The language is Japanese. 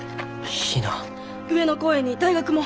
上野公園に大学も。